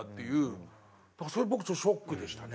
だからそれ僕ちょっとショックでしたね。